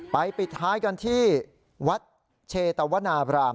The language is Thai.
ปิดท้ายกันที่วัดเชตวนาบราม